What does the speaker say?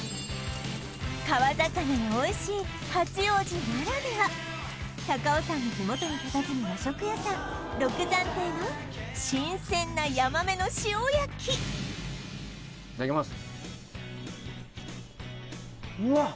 川魚がおいしい八王子ならでは高尾山の麓にたたずむ和食屋さんろくざん亭の新鮮なヤマメの塩焼きいただきますうわっ！